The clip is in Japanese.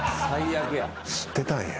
知ってたんや。